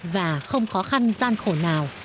và không khó khăn gian khổ nào